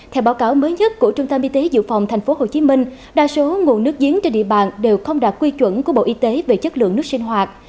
theo báo cáo mới nhất của trung tâm y tế dự phòng tp hcm đa số nguồn nước giếng trên địa bàn đều không đạt quy chuẩn của bộ y tế về chất lượng nước sinh hoạt